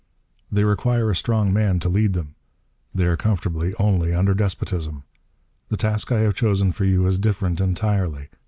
They require a strong man to lead them. They are comfortable only under despotism. The task I have chosen for you is different, entirely.